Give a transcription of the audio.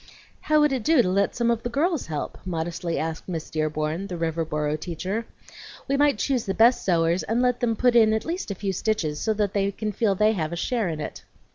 "How would it do to let some of the girls help?" modestly asked Miss Dearborn, the Riverboro teacher. "We might choose the best sewers and let them put in at least a few stitches, so that they can feel they have a share in it."